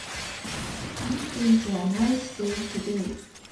It is a nice day today.